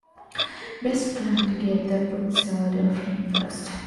Best plan to get the books out of him first.